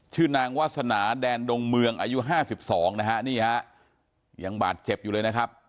ชื่อนางวาสนาแดนดงเมืองอายุ๕๒นะฮะนี่ฮะยังบาดเจ็บอยู่เลยนะครับ